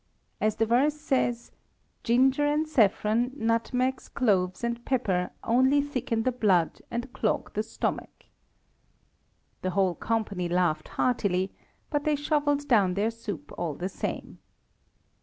As the verse says: 'Ginger and saffron, nutmegs, cloves, and pepper only thicken the blood and clog the stomach.'" The whole company laughed heartily, but they shovelled down their soup all the same.